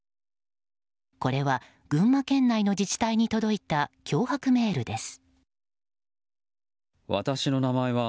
これは、群馬県内の自治体に届いた脅迫メールです。